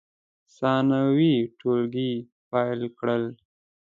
ثانوي ټولګي پیل کړل.